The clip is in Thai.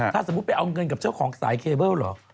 ถ้าสมมุติไปเอาเงินกับเจ้าของสายเคเบิ้ลเหรอ